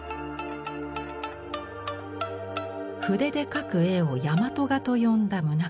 筆で描く絵を「倭画」と呼んだ棟方。